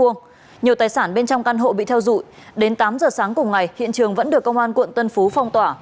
nhiều tài sản bên trong căn hộ bị theo dụi đến tám giờ sáng cùng ngày hiện trường vẫn được công an quận tân phú phong tỏa